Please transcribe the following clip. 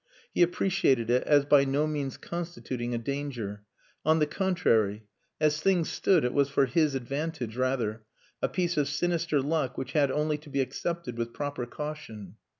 He appreciated it as by no means constituting a danger. On the contrary. As things stood it was for his advantage rather, a piece of sinister luck which had only to be accepted with proper caution.